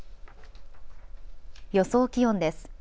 予想気温です。